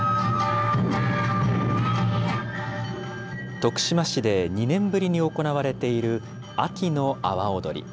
徳島市で２年ぶりに行われている秋の阿波おどり。